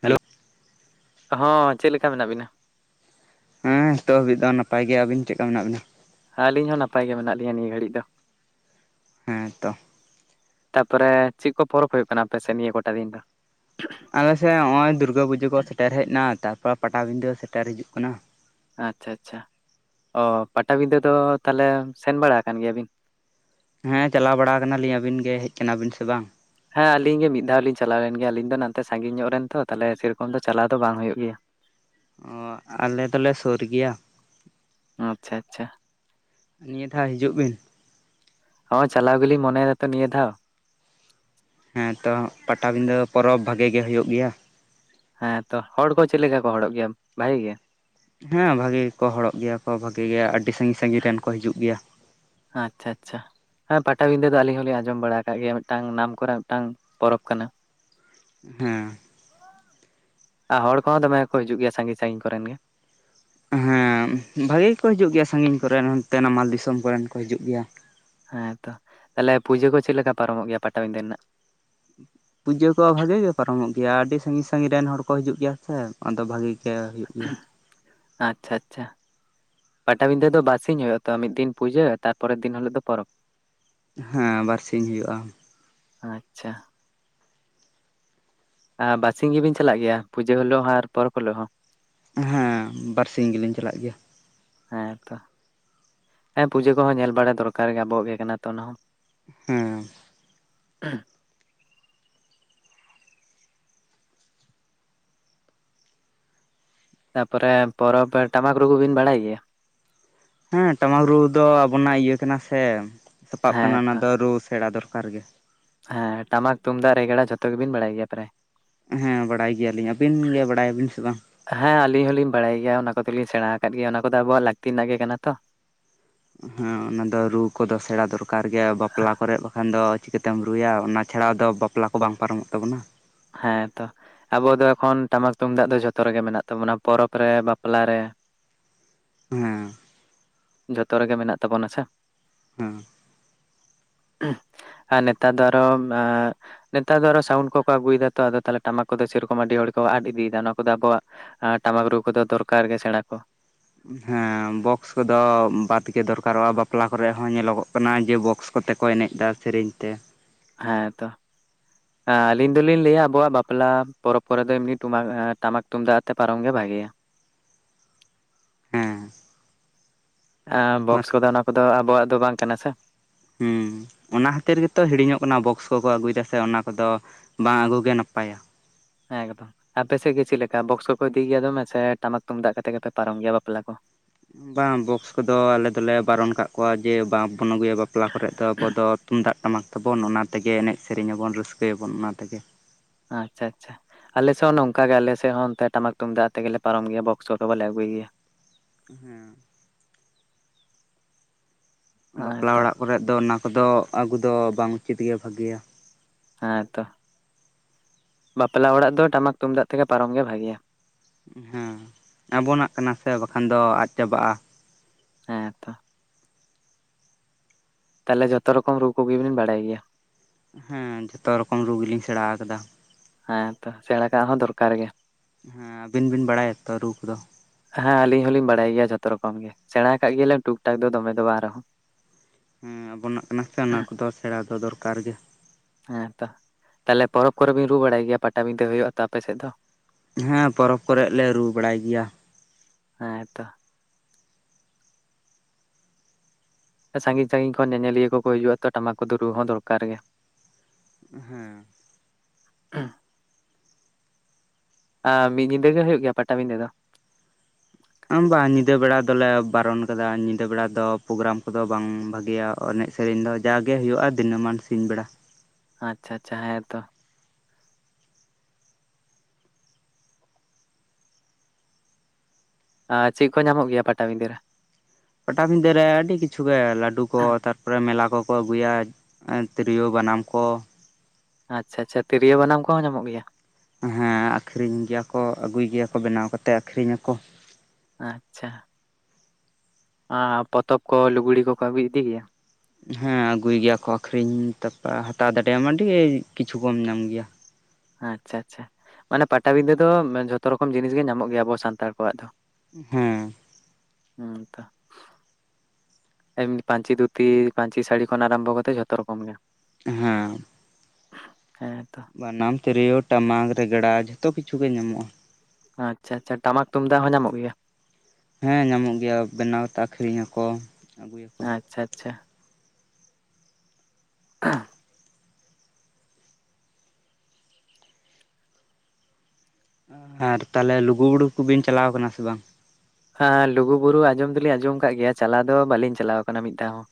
Hello ᱦᱚᱸ ᱪᱮᱫ ᱞᱮᱠᱟ ᱢᱮᱱᱟᱜ ᱵᱤᱱᱟ? ᱦᱮᱸ ᱱᱤᱛᱚᱜ ᱦᱟᱹᱵᱤᱡ ᱫᱚ ᱱᱟᱯᱟᱭ ᱜᱮ‌ ᱟᱵᱤᱱ ᱪᱮᱫ ᱞᱮᱠᱟ ᱢᱮᱱᱟᱜ ᱵᱤᱱᱟ? ᱟᱹᱞᱤᱧ ᱦᱚᱸ ᱱᱟᱯᱟᱭ ᱜᱮ ᱢᱮᱱᱟᱜ ᱞᱤᱧᱟᱹ ᱱᱤᱭᱟᱹ ᱜᱷᱟᱹᱲᱤᱡ ᱫᱚ ᱦᱮᱸ ᱛᱚ ᱛᱟᱯᱚᱨᱮ ᱪᱮᱫ ᱠᱚ ᱯᱚᱨᱚᱵᱽ ᱦᱩᱭᱩᱜ ᱠᱟᱱᱟ ᱟᱯᱮ ᱥᱮᱫ ᱱᱤᱭᱟᱹ ᱠᱚᱴᱟ ᱫᱤᱱ ᱫᱚ ᱟᱞᱮ ᱥᱮᱫ ᱦᱚᱸᱜ-ᱚᱭ ᱫᱩᱨᱜᱟᱹ ᱯᱩᱡᱟᱹ ᱠᱚ ᱥᱮᱴᱮᱨ ᱦᱮᱡ ᱮᱱᱟ ᱛᱟᱯᱚᱨᱮ ᱯᱟᱴᱟᱵᱤᱸᱫᱷᱟᱹ ᱥᱮᱴᱮᱨ ᱦᱤᱡᱩᱜ ᱠᱟᱱᱟ ᱟᱪᱪᱷᱟ ᱟᱪᱪᱷᱟ ᱚᱻ ᱯᱟᱴᱟᱵᱤᱫᱟᱹ ᱫᱚ ᱛᱟᱦᱞᱮ ᱥᱮᱱ ᱵᱟᱲᱟ ᱠᱟᱱ ᱜᱮᱭᱟᱵᱤᱱ ᱦᱮᱸ ᱪᱟᱞᱟᱣ ᱵᱟᱲᱟ ᱟᱠᱟᱱᱟᱞᱤᱧ ᱟᱹᱵᱤᱱ ᱜᱮ ᱦᱮᱡ ᱠᱟᱱᱟᱵᱤᱱ ᱥᱮ ᱵᱟᱝ ᱦᱮᱸ ᱟᱞᱤᱧ ᱜᱮ ᱢᱤᱫ ᱫᱷᱟᱣ ᱞᱤᱧ ᱪᱟᱞᱟᱣ ᱞᱮᱱ ᱜᱮᱭᱟ ᱟᱞᱤᱧ ᱫᱚ ᱱᱛᱮ ᱥᱟᱺᱜᱤᱧ ᱧᱚᱜ ᱨᱮᱱ ᱛᱚ ᱛᱟᱦᱞᱮ ᱥᱮᱨᱚᱠᱚᱢ ᱫᱚ ᱪᱟᱞᱟᱣ ᱫᱚ ᱵᱟᱝ ᱦᱩᱭᱩᱜ ᱜᱮᱭᱟ ᱚ ᱟᱞᱮ ᱫᱚᱞᱮ ᱥᱩᱨ ᱜᱮᱭᱟ ᱟᱪᱪᱷᱟ ᱟᱪᱪᱷᱟ ᱱᱤᱭᱟᱹ ᱫᱷᱟᱣ ᱦᱤᱡᱩᱜ ᱵᱤᱱ ᱦᱚᱸ ᱪᱟᱞᱟᱣ ᱜᱮᱞᱤᱧ ᱢᱚᱱᱮᱭ ᱮᱫᱟ ᱛᱚ ᱱᱤᱭᱟᱹ ᱫᱷᱟᱣ ᱦᱮᱸ ᱛᱚ ᱯᱟᱴᱟᱵᱤᱸᱫᱷᱟᱹ ᱯᱚᱨᱚᱵᱽ ᱵᱷᱟᱜᱤ ᱜᱮ ᱦᱩᱭᱩᱜ ᱜᱮᱭᱟ ᱦᱮᱸ ᱛᱚ ᱦᱚᱲ ᱠᱚ ᱪᱮᱫ ᱞᱮᱠᱟ ᱠᱚ ᱦᱚᱲᱚᱜ ᱜᱮᱭᱟ ᱵᱷᱟᱜᱤ ᱜᱮ ᱦᱮᱸ ᱵᱷᱟᱜᱤ ᱜᱮ ᱠᱚ ᱦᱚᱲᱚᱜ ᱜᱮᱭᱟ ᱠᱚ ᱵᱷᱟᱜᱤ ᱜᱮ, ᱟᱹᱰᱤ ᱥᱟᱺᱜᱤᱧ ᱥᱟᱺᱜᱤᱧ ᱨᱮᱱ ᱠᱚ ᱦᱤᱡᱩᱜ ᱜᱮᱭᱟ ᱟᱪᱪᱷᱟ ᱟᱪᱪᱷᱟ ᱦᱮᱸ ᱯᱟᱴᱟᱵᱤᱸᱫᱷᱟᱹ ᱫᱚ ᱟᱞᱤᱧ ᱦᱚᱸᱞᱤᱧ ᱟᱸᱡᱚᱢ ᱵᱟᱲᱟ ᱟᱠᱟᱫ ᱜᱮᱭᱟ ᱢᱤᱫᱴᱟᱝ ᱱᱟᱢ ᱠᱚᱨᱟ ᱢᱤᱫᱴᱟᱝ ᱯᱚᱨᱚᱵᱽ ᱠᱟᱱᱟ ᱦᱮᱸ ᱟᱨ ᱦᱚᱲ ᱠᱚᱦᱚᱸ ᱫᱚᱢᱮ ᱠᱚ ᱦᱤᱡᱩᱜ ᱜᱮᱭᱟ ᱥᱟᱺᱜᱤᱧ ᱥᱟᱺᱤᱧ ᱠᱚᱨᱮᱱ ᱜᱮ ᱦᱮᱸ ᱵᱷᱟᱜᱤ ᱜᱮᱠᱚ ᱦᱤᱡᱩᱜ ᱜᱮᱭᱟ ᱥᱟᱺᱜᱤᱧ ᱠᱚᱨᱮᱱ ᱦᱟᱱᱛᱮ ᱱᱟᱢᱟᱞ ᱫᱤᱥᱚᱢ ᱠᱚᱨᱮᱱ ᱠᱚ ᱦᱤᱡᱩᱜ ᱜᱮᱭᱟ ᱦᱮᱸ ᱛᱚ ᱛᱟᱦᱞᱮ ᱯᱩᱡᱟᱹ ᱠᱚ ᱪᱮᱫ ᱞᱮᱠᱟ ᱯᱟᱨᱚᱢᱚᱜ ᱜᱮᱭᱟ ᱯᱟᱴᱟᱵᱤᱸᱫᱷᱟᱹ ᱨᱮᱱᱟᱜ ᱯᱩᱡᱟᱹ ᱠᱚ ᱵᱷᱟᱜᱤ ᱜᱮ ᱯᱟᱨᱚᱢᱚᱜ ᱜᱮᱭᱟ ᱟᱹᱰᱤ ᱥᱟᱺᱜᱤᱧ ᱥᱟᱺᱜᱤᱧ ᱨᱮᱱ ᱦᱚᱲ ᱠᱚ ᱦᱤᱡᱩᱜ ᱜᱮᱭᱟ ᱥᱮ ᱟᱫᱚ ᱵᱷᱟᱜᱤ ᱜᱮ ᱦᱩᱭᱩᱜ ᱜᱮᱭᱟ ᱟᱪᱪᱷᱟ ᱟᱪᱪᱷᱟ ᱯᱟᱴᱟᱵᱤᱸᱫᱷᱟᱹ ᱫᱚ ᱵᱟᱨᱥᱤᱧ ᱦᱩᱭᱩᱜᱼᱟ ᱛᱚ ᱢᱤᱫ ᱫᱤᱱ ᱯᱩᱡᱟᱹ, ᱛᱟᱨᱯᱚᱨᱮᱨ ᱫᱤᱱ ᱦᱤᱞᱳᱜ ᱫᱚ ᱯᱚᱨᱚᱵᱽ ᱦᱮᱸ ᱵᱟᱨᱥᱤᱧ ᱦᱩᱭᱩᱜᱼᱟ ᱟᱪᱪᱷᱟ ᱟᱻ ᱵᱟᱨᱥᱤᱧ ᱜᱮᱵᱤᱱ ᱪᱟᱞᱟᱜ ᱜᱮᱭᱟ ᱯᱩᱡᱟᱹ ᱦᱤᱞᱳᱜ ᱦᱚᱸ ᱟᱨ ᱯᱚᱨᱚᱵᱽ ᱦᱤᱞᱳᱜ ᱦᱚᱸ ᱦᱮᱸ ᱵᱟᱨᱥᱤᱧ ᱜᱮᱞᱤᱧ ᱪᱟᱞᱟᱜ ᱜᱮᱭᱟ ᱦᱮᱸ ᱛᱚ ᱦᱮᱸ ᱯᱩᱡᱟᱹ ᱠᱚᱦᱚᱸ ᱧᱮᱞ ᱵᱟᱲᱟ ᱫᱚᱨᱠᱟᱨ ᱜᱮᱭᱟ ᱟᱵᱚᱣᱟᱜ ᱜᱮ ᱠᱟᱱᱟ ᱛᱚ ᱚᱱᱟᱦᱚᱸ ᱦᱮᱸ ᱦᱮᱸ [unintelligible] ᱛᱟᱨᱯᱚᱨᱮ ᱯᱚᱨᱚᱵᱽ ᱴᱟᱢᱟᱠ ᱨᱩ ᱠᱚ ᱵᱤᱱ ᱵᱟᱲᱟᱭ ᱜᱮᱭᱟ ᱦᱮᱸ ᱴᱟᱢᱟᱠ ᱨᱩ ᱫᱚ ᱟᱵᱚᱱᱟᱜ ᱤᱭᱟᱹ ᱠᱟᱱᱟ ᱥᱮ ᱥᱟᱯᱟᱵᱽ ᱠᱟᱱᱟ ᱦᱮᱸ ᱚᱱᱟ ᱛᱚ ᱫᱚ ᱨᱩ ᱥᱮᱬᱟ ᱫᱚᱨᱠᱟᱨ ᱜᱮ ᱦᱮᱸ ᱴᱟᱢᱟᱠ ᱛᱩᱢᱫᱟᱜ ᱨᱮᱜᱽᱲᱟ ᱡᱷᱚᱛᱚ ᱜᱮᱵᱤᱱ ᱵᱟᱲᱟᱭ ᱜᱮᱭᱟ ᱯᱨᱟᱭ ᱦᱮᱸ ᱵᱟᱲᱟᱭ ᱜᱮᱭᱟᱞᱤᱧ ᱟᱹᱵᱤᱱ ᱜᱮ ᱵᱟᱲᱟᱭᱟᱵᱤᱱ ᱥᱮ ᱵᱟᱝ ᱦᱮᱸ ᱟᱞᱤᱧ ᱦᱚᱞᱤᱧ ᱵᱟᱲᱟᱭ ᱜᱮᱭᱟ ᱚᱱᱟ ᱠᱚᱫᱚᱞᱤᱧ ᱥᱮᱬᱟ ᱟᱠᱟᱫ ᱜᱮᱭᱟ ᱚᱱᱟ ᱠᱚᱫᱚ ᱟᱵᱚᱣᱟᱜ ᱞᱟᱹᱠᱛᱤ ᱨᱮᱱᱟᱜ ᱜᱮ ᱠᱟᱱᱟ ᱛᱚ ᱦᱮᱸ ᱚᱱᱟᱫᱚ ᱨᱩ ᱠᱚᱫᱚ ᱥᱮᱬᱟ ᱫᱚᱨᱠᱟᱨ ᱜᱮᱭᱟ ᱵᱟᱯᱞᱟ ᱠᱚᱨᱮᱫ ᱵᱟᱠᱷᱟᱱ ᱫᱚ ᱪᱤᱠᱟᱹᱛᱮᱢ ᱨᱩᱭᱟ ᱚᱱᱟ ᱪᱷᱟᱲᱟ ᱫᱚ ᱵᱟᱯᱞᱟ ᱵᱟᱯᱞᱟ ᱠᱚ ᱵᱟᱝ ᱯᱟᱨᱚᱢᱚᱜ ᱛᱟᱵᱚᱱᱟ ᱦᱮᱸ ᱛᱚ ᱟᱵᱚ ᱫᱚ ᱮᱠᱷᱚᱱ ᱴᱟᱢᱟᱠ ᱛᱩᱢᱫᱟᱜ ᱫᱚ ᱡᱷᱚᱛᱚ ᱨᱮᱜᱮ ᱢᱮᱱᱟᱜ ᱛᱟᱵᱚᱱᱟ ᱯᱚᱨᱚᱵᱽ ᱨᱮ ᱵᱟᱯᱞᱟ ᱨᱮ ᱦᱮᱸ ᱡᱷᱚᱛᱚ ᱨᱮᱜᱮ ᱢᱮᱱᱟᱜ ᱛᱟᱵᱚᱱᱟ ᱥᱮ ᱦᱩᱸ ᱟᱨ ᱱᱮᱛᱟᱨ ᱫᱚ ᱟᱨᱚ ᱱᱮᱛᱟᱨ ᱫᱚ ᱟᱨᱚ ᱥᱟᱣᱩᱱᱰ ᱠᱚᱠᱚ ᱟᱹᱜᱩᱭ ᱫᱟ ᱛᱚ ᱟᱫᱚ ᱛᱟᱦᱚᱞᱮ ᱴᱟᱢᱟᱠ ᱠᱚᱫᱚ ᱥᱮᱨᱚᱠᱚᱢ ᱟᱹᱰᱤ ᱦᱚᱲ ᱠᱚ ᱟᱫ ᱤᱫᱤᱭᱮᱫᱟ ᱱᱚᱣᱟ ᱠᱚᱫᱚ ᱟᱵᱚᱣᱟᱜ ᱟᱨ ᱴᱟᱢᱟᱠ ᱨᱩ ᱠᱚᱫᱚ ᱫᱚᱨᱠᱟᱨ ᱜᱮ ᱥᱮᱬᱟ ᱠᱚ ᱦᱮᱸ ᱵᱚᱠᱥ ᱠᱚᱫᱚ ᱵᱟᱫᱽ ᱜᱮ ᱫᱚᱨᱠᱟᱨᱚᱜᱼᱟ ᱵᱟᱯᱞᱟ ᱠᱚᱨᱮ ᱦᱚᱸ ᱧᱮᱞᱚᱜᱚᱜ ᱠᱟᱱᱟ ᱡᱮ ᱵᱚᱠᱥ ᱠᱚᱛᱮ ᱠᱚ ᱮᱱᱮᱡ ᱫᱟ ᱥᱮᱨᱮᱧ ᱛᱮ ᱦᱮᱸ ᱛᱚ ᱟᱞᱤᱧ ᱫᱚᱞᱤᱧ ᱞᱟᱹᱭᱟ ᱟᱵᱚᱣᱟᱜ ᱵᱟᱯᱞᱟ ᱯᱚᱨᱚᱵᱽ ᱠᱚᱨᱮ ᱫᱚ ᱮᱢᱱᱤ ᱴᱩᱢᱟᱠ ᱮᱸ ᱴᱟᱢᱟᱠ ᱛᱩᱢᱫᱟᱜ ᱟᱛᱮ ᱯᱟᱨᱚᱢ ᱜᱮ ᱵᱷᱟᱜᱮᱭᱟ ᱦᱮᱸ ᱟᱸ ᱵᱚᱠᱥ ᱠᱚᱫᱚ ᱚᱱᱟ ᱠᱚᱫᱚ ᱟᱵᱚᱣᱟᱜ ᱫᱚ ᱵᱟᱝ ᱠᱟᱱᱟ ᱥᱮ ᱦᱩᱸ ᱚᱱᱟ ᱠᱷᱟᱹᱛᱤᱨ ᱜᱮᱛᱚ ᱦᱤᱲᱤᱧ ᱚᱜ ᱠᱟᱱᱟ ᱵᱚᱠᱥ ᱠᱚᱠᱚ ᱟᱹᱜᱩᱭ ᱫᱟᱥᱮ ᱚᱱᱟ ᱠᱚᱫᱚ ᱵᱟᱝ ᱟᱹᱜᱩ ᱜᱮ ᱱᱟᱯᱟᱭᱟ ᱮᱠᱫᱚᱢ ᱟᱯᱮ ᱥᱮᱫ ᱜᱮ ᱪᱮᱫ ᱞᱮᱠᱟ ᱵᱚᱠᱥ ᱠᱚᱠᱚ ᱤᱫᱤᱭ ᱜᱮᱭᱟ ᱫᱚᱢᱮ ᱥᱮ ᱴᱟᱢᱟᱠ ᱛᱩᱢᱫᱟᱜ ᱠᱟᱛᱮ ᱜᱮᱯᱮ ᱯᱟᱨᱚᱢ ᱜᱮᱭᱟ ᱵᱟᱯᱞᱟ ᱠᱚᱦᱚᱸ ᱵᱟᱝ ᱵᱚᱠᱥ ᱠᱚᱫᱚ ᱟᱞᱮ ᱫᱚᱞᱮ ᱵᱟᱨᱚᱱ ᱠᱟᱜ ᱠᱚᱣᱟ ᱡᱮ ᱵᱟᱝ ᱵᱚᱱ ᱟᱹᱜᱩᱭᱟ ᱵᱟᱯᱞᱟ ᱠᱚᱨᱮ ᱫᱚ ᱟᱵᱚ ᱫᱚ ᱛᱩᱢᱫᱟᱜ ᱴᱟᱢᱟᱠ ᱛᱟᱵᱚᱱ ᱚᱱᱟ ᱛᱮᱜᱮ ᱮᱱᱮᱡ ᱥᱮᱨᱮᱧ ᱟᱵᱚᱱ ᱨᱟᱹᱥᱠᱟᱹ ᱟᱵᱚᱱ ᱚᱱᱟ ᱛᱮᱜᱮ ᱟᱪᱪᱷᱟ ᱟᱪᱪᱷᱟ ᱟᱞᱮ ᱥᱚᱜ ᱱᱚᱝᱠᱟ ᱜᱮ ᱟᱞᱮ ᱥᱮᱫ ᱦᱚᱸ ᱚᱱᱛᱮ ᱴᱟᱢᱟᱠ ᱛᱩᱢᱫᱟᱜ ᱛᱮᱜᱮᱞᱮ ᱯᱟᱨᱚᱢ ᱜᱮᱭᱟ ᱵᱚᱠᱥ ᱠᱚ ᱦᱚᱸ ᱵᱟᱞᱮ ᱟᱜᱩᱭ ᱜᱮᱭᱟ ᱦᱮᱸ ᱵᱟᱯᱞᱟ ᱦᱮᱸᱛᱚ ᱚᱲᱟᱜ ᱠᱚᱨᱮ ᱫᱚ ᱚᱱᱟ ᱠᱚᱫᱚ ᱟᱹᱜᱩ ᱫᱚ ᱵᱟᱝ ᱩᱪᱤᱛ ᱜᱮᱭᱟ ᱵᱷᱟᱜᱤᱭᱟ ᱦᱮᱸ ᱛᱚ ᱵᱟᱯᱞᱟ ᱚᱲᱟᱜ ᱫᱚ ᱴᱟᱢᱟᱠ ᱛᱩᱢᱫᱟᱜ ᱛᱮᱜᱮ ᱯᱟᱨᱚᱢ ᱜᱮ ᱵᱷᱟᱜᱮᱭᱟ ᱦᱮᱸ ᱟᱵᱚᱱᱟᱜ ᱠᱟᱱᱟ ᱥᱮ ᱵᱟᱠᱷᱟᱱ ᱫᱚ ᱟᱫ ᱪᱟᱵᱟᱜᱼᱟ ᱦᱮᱸ ᱛᱚ ᱛᱟᱦᱚᱞᱮ ᱡᱷᱚᱛᱚ ᱨᱚᱠᱚᱢ ᱨᱩ ᱠᱚᱜᱮ ᱵᱤᱱ ᱵᱟᱲᱟᱭ ᱜᱮᱭᱟ ᱦᱮᱸᱸ ᱡᱷᱚᱛᱚ ᱨᱚᱠᱚᱢ ᱨᱩ ᱜᱤᱞᱤᱧ ᱥᱮᱬᱟ ᱠᱟᱫᱟ ᱦᱮᱸ ᱛᱚ ᱥᱮᱬᱟ ᱠᱟᱜ ᱦᱚᱸ ᱫᱚᱨᱠᱟᱨ ᱜᱮ ᱦᱮᱸ ᱟᱹᱵᱤᱱ ᱵᱤᱱ ᱵᱟᱲᱟᱭᱟ ᱛᱚ ᱨᱩ ᱠᱚᱫᱚ ᱦᱮᱸ ᱟᱞᱤᱧ ᱦᱚᱞᱤᱧ ᱵᱟᱲᱟᱭ ᱜᱮᱭᱟ ᱡᱷᱚᱛᱚ ᱨᱚᱠᱚᱢ ᱜᱮ ᱥᱮᱬᱟ ᱠᱟᱜ ᱜᱮᱭᱟ ᱞᱤᱧ ᱴᱩᱠ ᱴᱟᱠ ᱫᱚ ᱫᱚᱢᱮ ᱫᱚ ᱵᱟᱝ ᱨᱮᱦᱚᱸ ᱦᱮᱸ ᱟᱵᱚᱱᱟᱜ ᱠᱟᱱᱟ ᱥᱮ ᱚᱱᱟ ᱠᱚᱫᱚ ᱥᱮᱬᱟ ᱫᱚ ᱫᱚᱨᱠᱟᱨ ᱜᱮ ᱦᱮᱸ ᱛᱚ ᱛᱟᱦᱚᱞᱮ ᱯᱚᱨᱚᱵᱽ ᱠᱚᱨᱮ ᱵᱤᱱ ᱨᱩ ᱵᱟᱲᱟᱭ ᱜᱮᱭᱟ ᱯᱟᱴᱟᱵᱤᱸᱫᱟᱹ ᱦᱩᱭᱩᱜᱼᱟ ᱛᱚ ᱟᱯᱮ ᱥᱮᱫ ᱫᱚ ᱦᱮᱸ ᱯᱚᱨᱚᱵᱽ ᱠᱚᱨᱮᱜ ᱞᱮ ᱨᱩ ᱵᱟᱲᱟᱭ ᱜᱮᱭᱟ ᱦᱮᱸ ᱛᱚ ᱥᱟᱺᱜᱤᱧ ᱥᱟᱺᱜᱤᱧ ᱠᱷᱚᱱ ᱧᱮᱧᱮᱞᱤᱭᱟᱹ ᱠᱚᱠᱚ ᱦᱤᱡᱩᱜᱼᱟ ᱛᱚ ᱴᱟᱢᱟᱠ ᱠᱚᱫᱚ ᱨᱩ ᱦᱚᱸ ᱫᱚᱨᱠᱟᱨ ᱜᱮ ᱦᱮᱸ [inaudible] ᱟ ᱢᱤᱫ ᱧᱤᱫᱟᱹ ᱜᱮ ᱦᱩᱭᱩᱜ ᱜᱮᱭᱟ ᱯᱟᱴᱟᱵᱤᱸᱫᱟᱹ ᱫᱚ ᱟᱢ ᱵᱟ ᱧᱤᱫᱟᱹ ᱵᱮᱲᱟ ᱫᱚ ᱞᱮ ᱵᱟᱨᱚᱱ ᱠᱟᱫᱟ ᱧᱤᱫᱟᱹ ᱵᱮᱲᱟ ᱫᱚ ᱯᱨᱳᱜᱨᱟᱢ ᱠᱚᱫᱚ ᱵᱟᱝ ᱵᱷᱟᱜᱮᱭᱟ᱾ ᱚᱱᱮᱡ ᱥᱮᱨᱮᱧ ᱫᱚ ᱡᱟᱜᱮ ᱦᱩᱭᱩᱜᱼᱟ ᱫᱤᱱᱟᱹ ᱢᱟᱱ ᱥᱤᱧ ᱵᱮᱲᱟ ᱟᱪᱪᱷᱟ ᱟᱪᱪᱷᱟ ᱦᱮᱸ ᱛᱚ ᱟ ᱪᱮᱫ ᱠᱚ ᱧᱟᱢᱚᱜ ᱜᱮᱭᱟ ᱯᱟᱴᱟᱵᱤᱸᱫᱟᱹ ᱨᱮ ᱯᱟᱴᱟᱵᱤᱸᱫᱟᱹ ᱨᱮ ᱟᱹᱰᱤ ᱠᱤᱪᱷᱩ ᱜᱮ ᱞᱟᱹᱰᱩ ᱠᱚ ᱛᱟᱨᱯᱚᱨᱮ ᱢᱮᱞᱟ ᱠᱚᱠᱚ ᱟᱹᱜᱩᱭᱟ ᱮᱸ ᱛᱤᱨᱤᱭᱳ ᱵᱟᱱᱟᱢ ᱠᱚ ᱟᱪᱪᱷᱟ ᱟᱪᱪᱷᱟ ᱛᱤᱨᱤᱭᱳ ᱵᱟᱱᱟᱢ ᱠᱚᱦᱚᱸ ᱧᱟᱢᱚᱜ ᱜᱮᱭᱟ ᱦᱮᱸ ᱟᱠᱷᱨᱤᱧ ᱜᱮᱭᱟ ᱠᱚ ᱟᱹᱜᱩᱭ ᱜᱮᱭᱟ ᱠᱚ ᱵᱮᱱᱟᱣ ᱠᱟᱛᱮ ᱟᱠᱷᱨᱤᱧ ᱟᱠᱚ ᱟᱪᱪᱷᱟ ᱟ ᱯᱚᱛᱚᱵᱽ ᱠᱚ ᱞᱩᱜᱽᱲᱤ ᱠᱚᱠᱚ ᱟᱹᱜᱩ ᱤᱫᱤ ᱜᱮᱭᱟ ᱦᱮᱸ ᱟᱹᱜᱩᱭ ᱜᱮᱭᱟ ᱠᱚ ᱟᱠᱷᱨᱤᱧ ᱛᱟᱯ ᱦᱟᱛᱟᱣ ᱫᱟᱲᱮᱭᱟᱢ ᱟᱹᱰᱤ ᱠᱤᱪᱷᱩ ᱠᱚᱢ ᱧᱟᱢ ᱜᱮᱭᱟ ᱟᱪᱪᱷᱟ ᱟᱪᱪᱷᱟ ᱢᱟᱱᱮ ᱯᱟᱴᱟᱵᱤᱸᱫᱟᱹ ᱫᱚ ᱡᱷᱚᱛᱚ ᱨᱚᱠᱚᱢ ᱡᱤᱱᱤᱥ ᱜᱮ ᱧᱟᱢᱚᱜ ᱜᱮᱭᱟ ᱟᱵᱚ ᱥᱟᱱᱛᱟᱲ ᱠᱚᱣᱟᱜ ᱫᱚ ᱦᱮᱸ ᱦᱚᱸ [unintelligible] ᱮᱢ ᱯᱟᱹᱧᱪᱤ ᱫᱷᱩᱛᱤ ᱯᱟᱹᱧᱪᱤ ᱥᱟᱹᱲᱤ ᱠᱷᱚᱱ ᱟᱨᱟᱢᱵᱷᱚ ᱠᱟᱛᱮᱫ ᱡᱷᱚᱛᱚ ᱨᱚᱠᱚᱢ ᱜᱮ ᱦᱮᱸᱻ ᱦᱮᱸᱛᱚ ᱵᱟᱱᱟᱢ ᱛᱤᱨᱭᱳ ᱴᱟᱢᱟᱠ ᱨᱮᱜᱽᱲᱟ ᱡᱷᱚᱛᱚ ᱠᱤᱪᱷᱩ ᱜᱮ ᱧᱟᱢᱚᱜᱼᱟ᱾ ᱟᱪᱪᱷᱟ ᱟᱪᱪᱷᱟ ᱴᱟᱢᱟᱠ ᱛᱩᱢᱫᱟᱜ ᱦᱚᱸ ᱧᱟᱢᱚᱜ ᱜᱮᱭᱟ᱾ ᱦᱮᱸ ᱧᱟᱢᱚᱜ ᱜᱮᱭᱟ ᱵᱮᱱᱟᱣ ᱛᱮ ᱟᱠᱷᱨᱤᱧ ᱧᱟᱠᱚ᱾ ᱟᱪᱪᱷᱟ ᱟᱪᱪᱷᱟ [inaudible] ᱟᱨ ᱛᱟᱦᱚᱞᱮ ᱞᱩᱜᱩ ᱵᱩᱲᱩ ᱠᱩᱵᱤᱱ ᱪᱟᱞᱟᱣ ᱠᱟᱱᱟ ᱥᱮ ᱵᱟᱝ? ᱟᱸᱻ ᱞᱩᱜᱩ ᱵᱩᱨᱩ ᱟᱸᱡᱚᱢ ᱫᱚᱞᱤᱧ ᱟᱸᱡᱚᱢ ᱟᱠᱟᱫ ᱜᱮᱭᱟ ᱪᱟᱞᱟᱣ ᱫᱚ ᱵᱟᱹᱞᱤᱧ ᱪᱟᱞᱟᱣ ᱟᱠᱟᱱᱟ ᱢᱤᱫ ᱫᱷᱟᱣ ᱦᱚᱸ᱾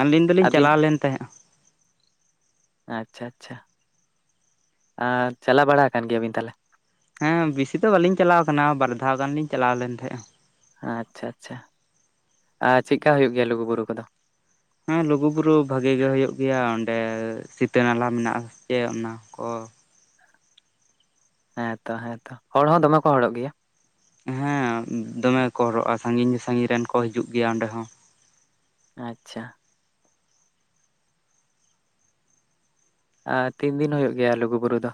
ᱟᱹᱞᱤᱧ ᱫᱚᱞᱤᱧ ᱟᱹᱵᱤᱱ ᱪᱟᱞᱟᱣ ᱞᱮᱱ ᱛᱟᱦᱮᱸᱫᱼᱟ᱾ ᱟᱪᱪᱷᱟ ᱟᱪᱪᱷᱟ ᱟᱸᱻ ᱪᱟᱞᱟᱣ ᱵᱟᱲᱟ ᱟᱠᱟᱱ ᱜᱮᱭᱟᱵᱤᱱ ᱛᱟᱦᱚᱞᱮ? ᱦᱮᱸ ᱵᱤᱥᱤ ᱫᱚ ᱵᱟᱹᱞᱤᱧ ᱪᱟᱞᱟᱣ ᱟᱠᱟᱱᱟ ᱵᱟᱨ ᱫᱷᱟᱣ ᱜᱟᱱ ᱞᱤᱧ ᱪᱟᱞᱟᱣ ᱞᱮᱱ ᱛᱟᱦᱮᱸᱜᱼᱟ᱾ ᱟᱪᱪᱷᱟ ᱟᱪᱪᱷᱟ ᱟ ᱪᱮᱠᱟ ᱦᱩᱭᱩᱜ ᱜᱮᱭᱟ ᱞᱩᱜᱩ ᱵᱩᱨᱩ ᱠᱚᱫᱚ? ᱦᱮᱸ ᱞᱩᱜᱩ ᱵᱩᱨᱩ ᱵᱷᱟᱜᱮ ᱜᱮ ᱦᱩᱭᱩᱜ ᱜᱮᱭᱟ᱾ ᱚᱸᱰᱮ ᱥᱤᱛᱟᱹ ᱱᱟᱞᱟ ᱢᱮᱱᱟᱜᱼᱟ᱾ ᱪᱮ ᱚᱱᱟ ᱠᱚ ᱦᱮᱸᱛᱚ ᱦᱮᱸᱛᱚ ᱦᱚᱲ ᱦᱚᱸ ᱫᱚᱢᱮ ᱠᱚ ᱦᱚᱲᱚᱜ ᱜᱮᱭᱟ᱾ ᱦᱮᱸ ᱫᱚᱢᱮ ᱠᱚ ᱦᱚᱨᱚᱜᱼᱟ ᱥᱟᱺᱜᱤᱧ ᱥᱟᱺᱜᱤᱧ ᱨᱮᱱ ᱠᱚ ᱦᱤᱡᱩᱜ ᱜᱮᱭᱟ ᱚᱸᱰᱮ ᱦᱚᱸ᱾ ᱟᱪᱪᱷᱟ ᱟᱨ ᱛᱤᱱ ᱫᱤᱱ ᱦᱩᱭᱩᱜ ᱜᱮᱭᱟ ᱞᱩᱜᱩ ᱵᱩᱨᱩ ᱫᱚ?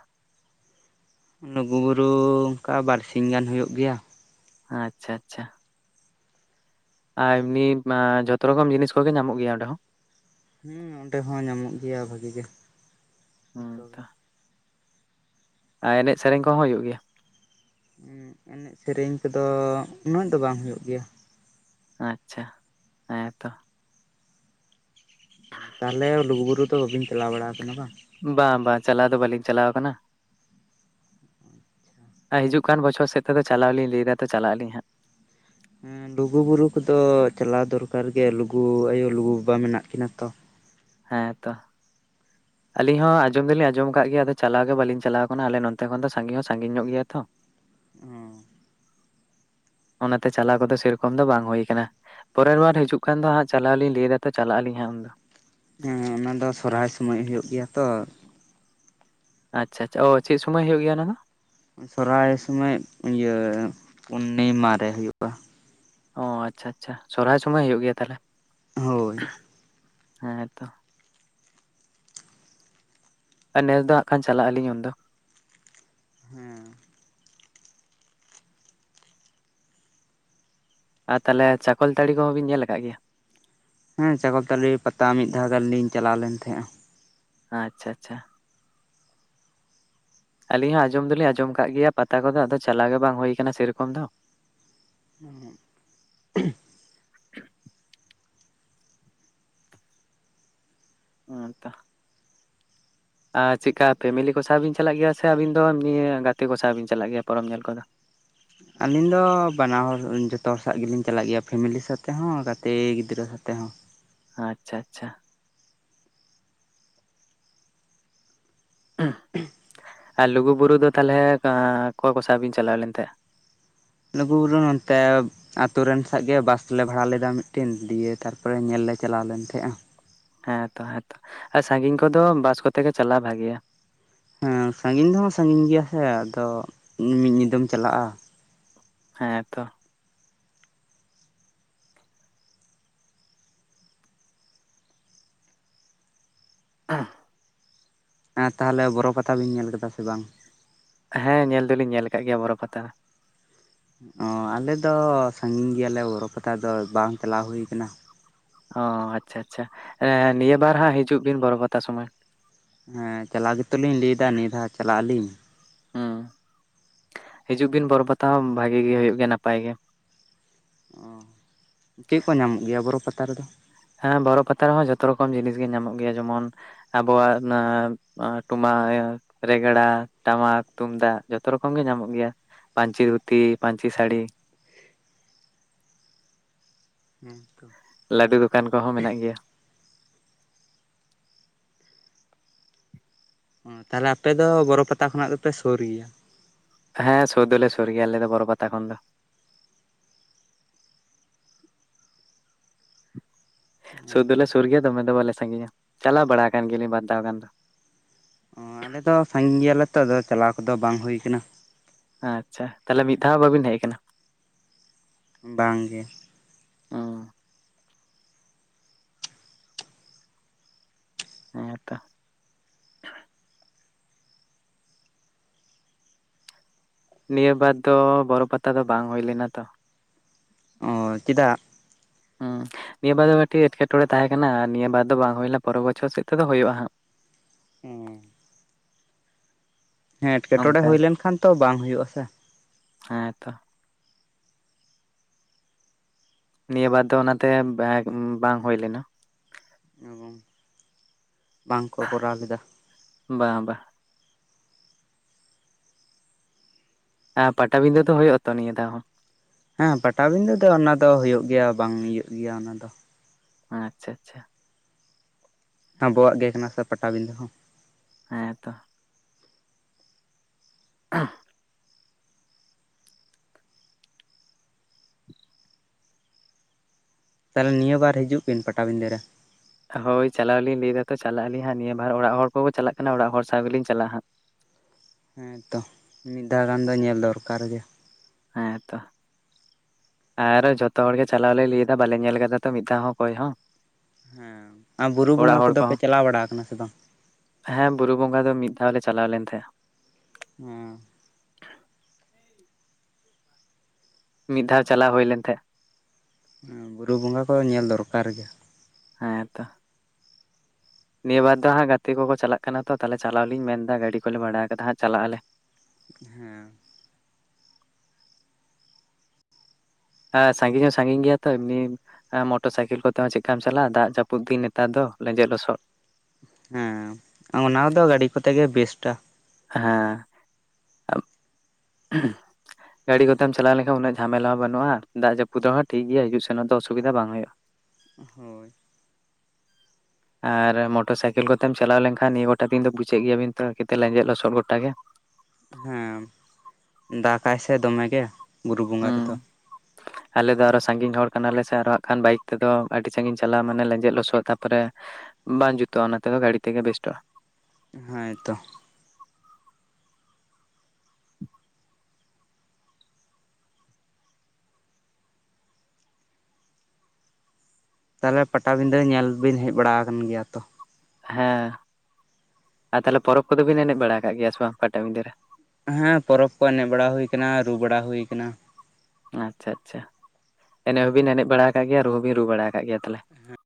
ᱞᱩᱜᱩ ᱵᱩᱨᱩ ᱚᱱᱠᱟ ᱵᱟᱨ ᱥᱤᱧ ᱜᱟᱱ ᱦᱩᱭᱩᱜ ᱜᱮᱭᱟ᱾ ᱟᱪᱪᱷᱟ ᱟᱪᱪᱷᱟ ᱟᱨ ᱱᱤᱯᱢᱟ ᱡᱷᱚᱛᱚ ᱨᱚᱠᱚᱢ ᱡᱤᱱᱤᱥ ᱠᱚᱜᱮ ᱧᱟᱢᱚᱜ ᱜᱮᱭᱟ ᱚᱸᱰᱮ ᱦᱚᱸ᱾ ᱦᱩᱸ ᱚᱸᱰᱮ ᱦᱚᱸ ᱧᱟᱢᱚᱜ ᱜᱮᱭᱟ ᱵᱷᱟᱹᱜᱤ ᱜᱮ ᱡᱚᱛᱚ ᱦᱩᱸ ᱜᱮ᱾ ᱟ ᱮᱱᱮᱡ ᱥᱮᱨᱮᱧ ᱠᱚᱦᱚᱸ ᱦᱩᱭᱩᱜ ᱜᱮᱭᱟ᱾ ᱦᱩᱸ ᱮᱱᱮᱡ ᱥᱮᱨᱮᱧ ᱠᱚᱫᱚ ᱩᱱᱟᱹᱜ ᱫᱚ ᱵᱟᱝ ᱦᱩᱭᱩᱜ ᱜᱮᱭᱟ᱾ ᱟᱪᱪᱷᱟ ᱦᱮᱸᱛᱚ ᱛᱟᱦᱚᱞᱮ ᱞᱩᱜᱩ ᱵᱩᱨᱩ ᱫᱚ ᱵᱟᱹᱵᱤᱱ ᱪᱟᱞᱟᱣ ᱵᱟᱲᱟ ᱟᱠᱟᱱᱟ ᱵᱟᱝ᱾ ᱵᱟᱝ ᱵᱟᱝ ᱪᱟᱞᱟᱣ ᱫᱚ ᱵᱟᱹᱞᱤᱧ ᱪᱟᱞᱟᱣ ᱟᱠᱟᱱᱟ᱾ ᱟ ᱦᱤᱡᱩᱜ ᱠᱟᱱ ᱵᱚᱪᱷᱚᱨ ᱥᱮᱫ ᱛᱮᱫᱚ ᱪᱟᱞᱟᱣ ᱞᱤᱧ ᱞᱟᱹᱭ ᱮᱫᱟ ᱛᱚ ᱪᱟᱞᱟᱜ ᱟᱹᱞᱤᱧ ᱦᱟᱸᱜ᱾ ᱦᱮᱸ ᱞᱩᱜᱩ ᱵᱩᱨᱩ ᱠᱚᱫᱚ ᱪᱟᱞᱟᱣ ᱫᱚᱨᱠᱟᱨ ᱜᱮ ᱞᱩᱜᱩ ᱟᱭᱳ ᱞᱩᱜᱩ ᱵᱟᱵᱟ ᱢᱮᱱᱟᱜ ᱠᱤᱱᱟ ᱛᱚ᱾ ᱦᱮᱸ ᱛᱚ ᱟᱹᱞᱤᱧ ᱦᱚᱸ ᱟᱸᱡᱚᱢ ᱫᱚᱞᱤᱧ ᱟᱸᱡᱚᱢ ᱟᱠᱟᱫ ᱜᱮᱭᱟ᱾ ᱟᱫᱚ ᱪᱟᱞᱟᱣ ᱜᱮ ᱵᱟᱹᱞᱤᱧ ᱪᱟᱞᱟᱣ ᱟᱠᱟᱱᱟ᱾ ᱟᱞᱮ ᱱᱚᱛᱮ ᱠᱷᱚᱱ ᱫᱚ ᱥᱟᱺᱜᱤ ᱦᱚᱸ ᱥᱟᱺᱜᱤᱧ ᱧᱚᱜ ᱜᱮᱭᱟ ᱛᱚ᱾ ᱦᱚᱸ ᱚᱱᱟᱛᱮ ᱪᱟᱞᱟᱣ ᱠᱚᱫᱚ ᱥᱮᱨᱚᱠᱚᱢ ᱫᱚ ᱵᱟᱝ ᱦᱩᱭ ᱟᱠᱟᱱᱟ᱾ ᱯᱚᱨᱮᱨ ᱵᱟᱨ ᱦᱤᱡᱩᱜ ᱠᱟᱱ ᱫᱚ ᱦᱟᱸᱜ ᱪᱟᱞᱟᱣ ᱞᱤᱧ ᱞᱟᱹᱭ ᱮᱫᱟ ᱛᱚ ᱪᱟᱞᱟᱜ ᱟᱹᱞᱤᱧ ᱦᱟᱸᱜ ᱩᱱᱫᱚ᱾ ᱦᱮᱸ ᱚᱱᱟ ᱫᱚ ᱥᱚᱨᱦᱟᱭ ᱥᱚᱢᱚᱭ ᱦᱩᱭᱩᱜ ᱜᱮᱭᱟ ᱛᱚᱨ᱾ ᱟᱪᱪᱷᱟ ᱟᱪᱪᱷᱟ ᱚ ᱪᱮᱜ ᱥᱚᱢᱳᱚᱭ ᱦᱩᱭᱩᱜ ᱜᱮᱭᱟ ᱚᱱᱟ ᱫᱚ? ᱥᱚᱨᱦᱟᱭ ᱥᱚᱢᱚᱭ ᱤᱭᱟᱹ ᱯᱩᱨᱱᱤᱢᱟ ᱨᱮ ᱦᱳᱭᱳᱜᱼᱟ᱾ ᱚ ᱟᱪᱪᱷᱟ ᱟᱪᱪᱷᱟ ᱥᱚᱨᱦᱟᱭ ᱥᱚᱢᱚᱭ ᱦᱩᱭᱩᱜ ᱜᱮᱭᱟ ᱛᱟᱦᱚᱞᱮ᱾ ᱦᱳᱭ ᱦᱮᱸᱛᱚ ᱟᱨ ᱱᱮᱥ ᱫᱚ ᱦᱟᱸᱜ ᱠᱷᱟᱱ ᱪᱟᱞᱟᱜ ᱟᱹᱞᱤᱧ ᱩᱱᱫᱚ᱾ ᱦᱮᱸ ᱟᱨ ᱛᱟᱦᱚᱞᱮ ᱪᱟᱠᱚᱞ ᱛᱟᱹᱲᱤ ᱠᱚᱦᱚᱸ ᱵᱤᱱ ᱧᱮᱞ ᱟᱠᱟᱜ ᱜᱮᱭᱟ? ᱦᱮᱸ ᱪᱟᱠᱚᱞ ᱛᱟᱞᱤ ᱯᱟᱛᱟ ᱢᱤᱫ ᱫᱷᱟᱣ ᱜᱟᱱ ᱞᱤᱧ ᱪᱟᱞᱟᱣ ᱞᱮᱱ ᱛᱟᱦᱮᱸᱜᱼᱟ᱾ ᱟᱪᱪᱷᱟ ᱟᱪᱪᱷᱟ ᱟᱹᱞᱤᱧ ᱦᱚᱸ ᱟᱸᱡᱚᱢ ᱫᱩᱞᱤᱧ ᱟᱸᱡᱚᱢ ᱠᱟᱜ ᱜᱮᱭᱟ ᱯᱟᱛᱟ ᱠᱚᱫᱚ ᱟᱫᱚ ᱪᱟᱞᱟᱣ ᱜᱮ ᱵᱟᱝ ᱦᱩᱭ ᱠᱟᱱᱟ ᱥᱮ ᱨᱚᱠᱚᱢ ᱫᱚ᱾ [inaudible] ᱦᱮᱸ ᱛᱚ᱾ ᱟᱨ ᱪᱤᱜ ᱠᱟ ᱯᱷᱮᱢᱮᱞᱤ ᱠᱚ ᱥᱟᱶ ᱵᱤᱱ ᱪᱟᱞᱟᱜ ᱜᱮᱭᱟ ᱥᱮ ᱟᱹᱵᱤᱱ ᱫᱚ ᱱᱤᱭᱟᱹ ᱜᱟᱛᱮ ᱠᱚ ᱥᱟᱶ ᱵᱤᱱ ᱪᱟᱞᱟᱜ ᱜᱮᱭᱟ ᱯᱚᱨᱚᱵᱽ ᱧᱮᱞ ᱠᱚᱫᱚ? ᱟᱹᱞᱤᱧ ᱫᱚ ᱵᱟᱱᱟ ᱦᱚᱲ ᱡᱚᱛᱚ ᱦᱚᱲ ᱥᱟᱸᱜ ᱜᱮᱞᱤᱧ ᱪᱟᱞᱟᱜ ᱜᱮᱭᱟ ᱯᱷᱮᱢᱮᱞᱤ ᱥᱟᱛᱮᱜ ᱦᱚᱸ ᱜᱟᱛᱮ ᱜᱤᱫᱽᱨᱟᱹ ᱥᱟᱛᱮᱜ ᱦᱚᱸ᱾ ᱟᱸᱪᱪᱷᱟ ᱟᱪᱪᱷᱟ᱾ ᱩᱸᱦ ᱟᱨ ᱞᱩᱜᱩ ᱵᱩᱨᱩ ᱫᱚ ᱛᱟᱞᱦᱮ ᱠᱟ ᱠᱚᱭ ᱠᱚ ᱥᱟᱶ ᱵᱮᱱ ᱪᱟᱞᱟᱣ ᱞᱮᱱ ᱛᱟᱦᱮᱸᱜ? ᱞᱩᱜᱩ ᱵᱩᱨᱩ ᱱᱚᱱᱛᱮᱵᱼᱼ ᱟᱛᱩ ᱨᱮᱱ ᱥᱟᱶ ᱜᱮ ᱵᱟᱥ ᱞᱮ ᱵᱷᱟᱲᱟ ᱞᱮᱫᱟ ᱢᱤᱫᱴᱤᱱ ᱫᱤᱭᱮ ᱛᱟᱨᱯᱚᱨᱮ ᱧᱮᱞ ᱞᱮ ᱪᱟᱞᱟᱣ ᱞᱮᱱ ᱛᱟᱦᱮᱸᱜ-ᱟ᱾ ᱦᱮᱸᱛᱚ ᱦᱮᱸᱛᱚ ᱟᱨ ᱥᱟᱸᱜᱤᱧ ᱠᱚᱫᱚ ᱵᱟᱥ ᱠᱚᱛᱮ ᱜᱮ ᱪᱟᱞᱟᱣ ᱵᱷᱟᱜᱮᱭᱟ᱾ ᱮᱸᱻ ᱥᱟᱸᱜᱤᱧ ᱫᱚ ᱦᱟᱸᱜ ᱥᱟᱸᱜᱤᱧ ᱜᱮᱭᱟ ᱥᱮ ᱟᱫᱚ ᱢᱤᱜ ᱧᱤᱸᱫᱟᱹᱢ ᱪᱟᱞᱟᱜ-ᱟ᱾ ᱦᱮᱸ ᱛᱚ [unintelligible] ᱦᱮᱸ ᱛᱟᱦᱚᱞᱮ ᱵᱚᱨᱚ ᱯᱟᱛᱷᱟ ᱵᱤᱱ ᱧᱮᱞ ᱟᱠᱟᱫᱟ ᱥᱮ ᱵᱟᱝ? ᱦᱮᱸ ᱧᱮᱞ ᱫᱚᱞᱤᱧ ᱧᱮᱞ ᱟᱠᱟᱜ ᱜᱮᱭᱟ ᱵᱚᱨᱚ ᱯᱟᱛᱟ ᱦᱚᱸ᱾ ᱚᱸᱻ ᱟᱞᱮ ᱫᱚ ᱥᱟᱸᱜᱤᱧ ᱜᱮᱭᱟᱞᱮ ᱵᱚᱨᱚ ᱯᱟᱛᱟ ᱫᱚ ᱵᱟᱝ ᱪᱟᱞᱟᱣ ᱦᱩᱭ ᱠᱟᱱᱟ᱾ ᱦᱚᱸᱻ ᱟᱪᱪᱷᱟ ᱟᱪᱪᱷᱟ ᱮᱸ ᱱᱤᱭᱟᱹ ᱵᱟᱨ ᱦᱟᱸᱜ ᱦᱤᱡᱩᱜ ᱵᱤᱱ ᱵᱚᱨᱚ ᱯᱚᱛᱟ ᱥᱚᱢᱚᱭ᱾ ᱦᱮᱸ ᱪᱟᱞᱟᱣ ᱜᱮᱛᱚ ᱞᱤᱧ ᱞᱟᱹᱭ ᱫᱟ ᱱᱤᱭᱟᱹ ᱫᱷᱟᱣ ᱪᱟᱞᱟᱜ ᱟᱹᱞᱤᱧ᱾ ᱦᱩᱸ ᱦᱤᱡᱩᱜ ᱵᱤᱱ ᱵᱚᱨᱚ ᱯᱟᱛᱟ ᱦᱚᱸ ᱵᱷᱟᱜᱤ ᱜᱮ ᱦᱩᱭᱩᱜ ᱜᱮᱭᱟ ᱱᱟᱯᱟᱭ ᱜᱮ᱾ ᱚᱸ ᱪᱮᱜ ᱠᱚ ᱧᱟᱢᱚᱜ ᱜᱮᱭᱟ ᱵᱚᱨᱚ ᱯᱟᱛᱟ ᱨᱮᱫᱚ? ᱦᱮᱸ ᱵᱚᱨᱚ ᱯᱟᱛᱟ ᱨᱮᱦᱚᱸ ᱡᱷᱚᱛᱚ ᱨᱚᱠᱚᱢ ᱡᱤᱱᱤᱥ ᱜᱮ ᱧᱟᱢᱚᱜ ᱜᱮᱭᱟ ᱡᱮᱢᱚᱱ ᱟᱵᱚᱣᱟᱜ ᱚᱱᱟ ᱟᱸ ᱴᱩᱢᱟ ᱤᱭᱟᱹ ᱨᱮᱜᱽᱲᱟ ᱴᱟᱢᱟᱠ ᱛᱩᱢᱫᱟᱜ ᱡᱚᱛᱚ ᱨᱚᱠᱚᱢ ᱜᱮ ᱧᱟᱢᱚᱜ ᱜᱮᱭᱟ᱾ ᱯᱟᱧᱪᱤ ᱫᱷᱩᱛᱤ ᱯᱟᱧᱪᱤ ᱥᱟᱹᱲᱤ [unintelligible] ᱞᱟᱹᱰᱩ ᱫᱚᱠᱟᱱ ᱠᱚᱦᱚᱸ ᱢᱮᱱᱟᱜ ᱜᱮᱭᱟ᱾ ᱚᱸ ᱛᱟᱦᱚᱞᱮ ᱟᱯᱮ ᱫᱚ ᱵᱚᱨᱚ ᱯᱟᱛᱟ ᱠᱷᱚᱱᱟᱜ ᱫᱚᱯᱮ ᱥᱩᱨ ᱜᱮᱭᱟ? ᱦᱮᱸ ᱥᱩᱨ ᱫᱚᱞᱮ ᱥᱩᱨ ᱜᱮᱭᱟ ᱟᱞᱮ ᱫᱚ ᱵᱚᱨᱚ ᱯᱟᱟᱛᱟ ᱠᱷᱚᱱ ᱫᱚ᱾ ᱦᱮᱸ ᱥᱩᱨ ᱛᱚ ᱫᱚᱞᱮ ᱥᱩᱨ ᱜᱮᱭᱟ ᱫᱚᱢᱮ ᱫᱚ ᱵᱟᱞᱮ ᱥᱟᱸᱜᱤᱧᱟ᱾ ᱪᱟᱞᱟᱣ ᱵᱟᱲᱟ ᱟᱠᱟᱱ ᱜᱮᱭᱟ ᱞᱤᱧ ᱵᱟᱨ ᱫᱷᱟᱣ ᱜᱟᱱ ᱫᱚ᱾ ᱚᱸᱻ ᱟᱞᱮ ᱫᱚ ᱥᱟᱸᱜᱤᱧ ᱜᱮᱭᱟᱞᱮ ᱛᱚ ᱟᱫᱚ ᱪᱟᱞᱟᱣ ᱠᱚᱫᱚ ᱵᱟᱝ ᱦᱩᱭ ᱟᱠᱟᱱᱟ᱾ ᱟᱪᱪᱷᱟ ᱛᱟᱦᱚᱞᱮ ᱢᱤᱫ ᱫᱷᱟᱣ ᱦᱚᱸ ᱵᱟᱹᱵᱤᱱ ᱦᱮᱡ ᱠᱟᱱᱟ? ᱵᱟᱝ ᱜᱮ᱾ ᱦᱩᱸ ᱦᱮᱸ ᱛᱚ᱾ ᱱᱤᱭᱟᱹ ᱵᱟᱨ ᱫᱚ ᱵᱚᱨᱚ ᱯᱟᱛᱟ ᱫᱚ ᱵᱟᱝ ᱦᱩᱭ ᱞᱮᱱᱟ ᱛᱚ᱾ ᱚᱸ ᱪᱮᱫᱟᱜ? ᱦᱚᱸ ᱱᱤᱭᱟᱹ ᱵᱟᱨ ᱫᱚ ᱢᱤᱜᱴᱤᱡ ᱮᱸᱴᱠᱮᱴᱚᱬᱮ ᱛᱟᱦᱮᱸ ᱠᱟᱱᱟ᱾ ᱟᱨ ᱱᱤᱭᱟᱹ ᱵᱟᱨ ᱫᱚ ᱵᱟᱝ ᱦᱩᱭ ᱞᱮᱱᱟ, ᱯᱚᱨᱮ ᱵᱚᱪᱷᱚᱨ ᱥᱮᱜ ᱛᱮᱫᱚ ᱦᱩᱭᱩᱜ-ᱟ ᱦᱟᱸᱜ᱾ ᱦᱮᱸ᱾ ᱦᱮᱸ ᱮᱴᱠᱮᱴᱚᱬᱮ ᱚᱱᱠᱟ ᱦᱩᱭ ᱞᱮᱱ ᱠᱷᱟᱱ ᱛᱚ ᱵᱟᱝ ᱦᱩᱭᱩᱜ-ᱟ ᱥᱮ᱾ ᱦᱮᱸ ᱛᱚ᱾ ᱱᱤᱭᱟᱹ ᱵᱟᱨ ᱫᱚ ᱚᱱᱟᱛᱮ ᱵᱮᱜᱽ ᱵᱟᱝ ᱦᱚᱭ ᱞᱮᱱᱟ᱾ ᱮᱵᱚᱝ ᱵᱟᱝ ᱠᱚ ᱠᱚᱨᱟᱣ ᱞᱮᱫᱟ᱾ ᱵᱟ ᱵᱟ᱾ ᱟᱸ ᱯᱟᱴᱟ ᱵᱤᱱᱫᱟᱹ ᱫᱚ ᱦᱚᱭᱚᱜ-ᱟ ᱛᱚ ᱱᱤᱭᱟᱹ ᱫᱷᱟᱣ ᱦᱚᱸ᱾ ᱦᱮᱸ ᱯᱟᱴᱟ ᱵᱤᱸᱫᱟᱹ ᱫᱚ ᱚᱱᱟ ᱫᱚ ᱦᱳᱭᱳᱜ ᱜᱮᱭᱟ ᱵᱟᱝ ᱤᱭᱟᱹᱜ ᱜᱮᱭᱟ ᱚᱱᱟ ᱫᱚ᱾ ᱟᱪᱪᱷᱟ ᱟᱪᱪᱷᱟ᱾ ᱟᱵᱚᱣᱟᱜ ᱜᱮ ᱠᱟᱱᱟ ᱥᱮ ᱯᱟᱴᱟ ᱵᱤᱸᱫᱟᱹ ᱦᱚᱸ᱾ ᱦᱮᱸ ᱛᱚ᱾ [unintelligible] ᱛᱟᱦᱞᱮ ᱱᱤᱭᱟᱹ ᱵᱟᱨ ᱦᱤᱡᱩᱜ ᱵᱤᱱ ᱯᱟᱴᱟ ᱵᱤᱸᱫᱟᱹ ᱨᱮ᱾ ᱦᱳᱭ ᱪᱟᱞᱟᱣ ᱞᱤᱧ ᱞᱟᱹᱭ ᱫᱟ ᱛᱚ ᱪᱟᱞᱟᱜ ᱟᱹᱞᱤᱧ ᱦᱟᱸᱜ ᱱᱤᱭᱟᱹ ᱵᱟᱨ ᱚᱲᱟᱜ ᱦᱚᱲ ᱠᱚᱠᱚ ᱪᱟᱞᱟᱜ ᱠᱟᱱᱟ ᱚᱲᱟᱜ ᱦᱚᱲ ᱥᱟᱶ ᱜᱮᱞᱤᱧ ᱪᱟᱞᱟᱜ-ᱟ ᱦᱟᱸᱜ᱾ ᱦᱮᱸ ᱛᱚ ᱢᱤᱫ ᱫᱷᱟᱣ ᱜᱟᱱ ᱫᱚ ᱧᱮᱞ ᱫᱚᱨᱠᱟᱨ ᱜᱮ᱾ ᱦᱮᱸ ᱛᱚ᱾ ᱟᱨ ᱡᱚᱛᱚ ᱦᱚᱲ ᱜᱮ ᱪᱟᱞᱟᱣ ᱞᱮ ᱞᱟᱹᱭᱫᱟ ᱵᱟᱞᱮ ᱧᱮᱞ ᱠᱟᱫᱟ ᱛᱚ ᱢᱤᱫ ᱫᱷᱟᱣ ᱦᱚᱸ ᱚᱠᱚᱭ ᱦᱚᱸ ᱦᱮᱸ ᱟᱨ ᱵᱩᱨᱩ ᱵᱚᱸᱜᱟ ᱚᱲᱟᱜ ᱦᱚᱲ ᱠᱚᱫᱚ ᱯᱮ ᱠᱚᱦᱚᱸ ᱪᱟᱞᱟᱣ ᱵᱟᱲᱟ ᱠᱟᱱᱟ ᱥᱮ ᱵᱟᱝ ᱦᱮᱸ ᱵᱩᱨᱩ ᱵᱚᱸᱜᱟ ᱫᱚ ᱢᱤᱫ ᱫᱷᱟᱣ ᱞᱮ ᱪᱟᱞᱟᱣ ᱞᱮᱱ ᱛᱟᱦᱮᱸᱫ-ᱟ ᱦᱚᱸ ᱢᱤᱫ ᱫᱷᱟᱣ ᱪᱟᱞᱟᱣ ᱦᱩᱭ ᱞᱮᱱ ᱛᱟᱦᱮᱸᱜ ᱵᱩᱨᱩ ᱵᱚᱸᱜᱟ ᱠᱚᱫᱚ ᱧᱮᱞ ᱫᱚᱨᱠᱟᱨ ᱜᱮ ᱦᱮᱸ ᱛᱚ ᱱᱤᱭᱟᱹ ᱵᱟᱨ ᱫᱚ ᱦᱟᱸᱜ ᱜᱟᱛᱮ ᱠᱚᱠᱚ ᱪᱟᱞᱟᱜ ᱠᱟᱱᱟ ᱛᱚ ᱛᱟᱞᱦᱮ ᱪᱟᱞᱟᱣ ᱞᱤᱧ ᱢᱮᱱ ᱫᱟ ᱜᱟᱹᱰᱤ ᱠᱚᱞᱮ ᱵᱷᱟᱲᱟ ᱠᱟᱫᱟ ᱦᱟᱸᱜ ᱪᱟᱞᱟᱜ ᱟᱞᱮ ᱦᱮᱸ ᱮ ᱥᱟᱸᱜᱤᱧ ᱦᱚᱸ ᱥᱟᱸᱜᱤᱧ ᱜᱮᱭᱟ ᱛᱚ ᱱᱤᱢᱼᱼ ᱢᱚᱴᱚᱨ ᱥᱟᱭᱠᱮᱞ ᱠᱚᱛᱮ ᱦᱚᱸ ᱪᱮᱫᱠᱟᱢ ᱪᱟᱞᱟᱜᱼᱟ ᱫᱟᱜ ᱡᱟᱹᱯᱩᱫ ᱫᱤᱱ ᱱᱮᱛᱟᱨ ᱫᱚ ᱞᱮᱸᱡᱮᱫ ᱞᱚᱥᱚᱫ ᱦᱮᱸ ᱚᱱᱟ ᱫᱚ ᱜᱟᱹᱰᱤ ᱠᱚᱛᱮ ᱜᱮ ᱵᱮᱥᱴ-ᱟ ᱦᱮᱸ [inaudible] ᱜᱟᱹᱰᱤ ᱠᱚᱛᱮᱢ ᱪᱟᱞᱟᱣ ᱞᱮᱱᱠᱷᱟᱱ ᱩᱱᱟᱹᱜ ᱡᱷᱟᱢᱮᱞᱟ ᱵᱟᱹᱱᱩᱜᱼᱟ ᱫᱟᱜ ᱡᱟᱹᱯᱩᱫ ᱦᱚᱸ ᱴᱷᱤᱠ ᱜᱮᱭᱟ ᱦᱤᱡᱩᱜ ᱥᱮᱱᱚᱜ ᱫᱚ ᱚᱥᱩᱵᱤᱫᱟ ᱵᱟᱝ ᱦᱩᱭᱩᱜᱼᱟ ᱦᱳᱭ ᱟᱨ ᱢᱚᱴᱚᱨ ᱥᱟᱭᱠᱮᱞ ᱠᱚᱛᱮᱢ ᱪᱟᱞᱟᱣ ᱞᱮᱱᱠᱷᱟᱱ ᱱᱤᱭᱟᱹ ᱠᱚᱴᱟ ᱫᱤᱱ ᱫᱚ ᱵᱩᱡ ᱮᱜ ᱜᱮᱭᱟᱵᱤᱱ ᱛᱚ ᱮᱠᱮᱛᱮ ᱞᱮᱸᱡᱮᱫ ᱞᱚᱥᱚᱜ ᱜᱚᱴᱟ ᱜᱮ ᱦᱮᱸ ᱫᱟᱠᱟᱭ ᱥᱮ ᱫᱚᱢᱮ ᱜᱮ ᱵᱩᱨᱩ ᱵᱚᱸᱜᱟ ᱦᱩᱸ ᱨᱮᱫᱚ ᱟᱞᱮ ᱫᱚ ᱟᱨᱚ ᱥᱟᱺᱜᱤᱧ ᱦᱚᱲ ᱠᱟᱱᱟᱞᱮ ᱥᱮ ᱟᱨᱚ ᱦᱟᱜ ᱠᱷᱟᱱ ᱵᱟᱭᱤᱠ ᱛᱮᱫᱚ ᱟᱹᱰᱤ ᱥᱟᱺᱜᱤᱧ ᱪᱟᱞᱟᱣ ᱢᱟᱱᱮ ᱞᱮᱸᱡᱮᱫ ᱞᱚᱥᱚᱜ ᱛᱟᱨᱯᱚᱨᱮ ᱵᱟᱝ ᱡᱩᱛᱩᱜᱼᱟ ᱚᱱᱟᱛᱮᱫᱚ ᱜᱟᱹᱲᱤ ᱛᱮᱜᱮ ᱵᱮᱥᱴᱚᱜᱼᱟ ᱦᱮᱸᱭ ᱛᱚ ᱛᱟᱞᱦᱮ ᱯᱟᱴᱟᱵᱤᱸᱫᱟᱹ ᱧᱮᱞ ᱵᱤᱱ ᱦᱮᱡ ᱵᱟᱲᱟ ᱠᱟᱱ ᱜᱮᱭᱟ ᱛᱚ ᱦᱮᱸ ᱟᱨ ᱛᱟᱞᱦᱮ ᱯᱚᱨᱚᱵᱽ ᱠᱚᱫᱚ ᱵᱤᱱ ᱮᱱᱮᱡ ᱵᱟᱲᱟ ᱠᱟᱜ ᱜᱮᱭᱟ ᱥᱮ ᱵᱟᱝ ᱯᱟᱴᱟᱵᱤᱸᱫᱟᱹ ᱨᱮ ᱦᱮᱸ ᱯᱚᱨᱚᱵᱽ ᱠᱚ ᱮᱱᱮᱡ ᱵᱟᱲᱟ ᱦᱩᱭ ᱠᱟᱱᱟ ᱨᱩ ᱵᱟᱲᱟ ᱦᱩᱭ ᱠᱟᱱᱟ ᱟᱪᱪᱷᱟ ᱟᱪᱪᱷᱟ ᱮᱱᱮᱡ ᱦᱚᱸᱵᱤᱱ ᱮᱱᱮᱡ ᱵᱟᱲᱟ ᱠᱟᱜ ᱜᱮᱭᱟ ᱨᱩ ᱦᱚᱸᱵᱤᱱ ᱨᱩ ᱵᱟᱲᱟ ᱠᱟᱜ ᱜᱮᱭᱟ ᱛᱟᱞᱦᱮ [inaudible]